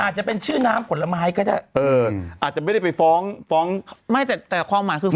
อาจจะเป็นชื่อน้ำผลไม้ก็ได้เอออาจจะไม่ได้ไปฟ้องฟ้องไม่แต่แต่ความหมายคือ